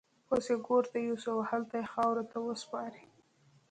اوس يې ګور ته يوسئ او هلته يې خاورو ته وسپارئ.